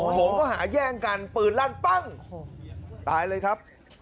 ผมก็หาแย่งกันปืนลั่นปั้งตายเลยครับ